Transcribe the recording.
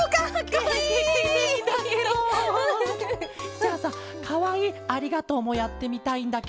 じゃあさかわいい「ありがとう」もやってみたいんだケロ。